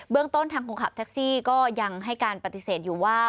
เรื่องต้นทางคนขับแท็กซี่ก็ยังให้การปฏิเสธอยู่ว่า